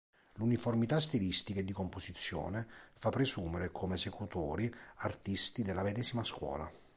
L’uniformità stilistica e di composizione fa presumere come esecutori artisti della medesima scuola.